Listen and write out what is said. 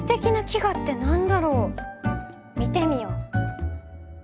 見てみよう。